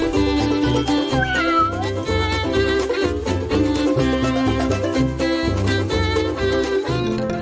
โปรดติดตามตอนต่อไป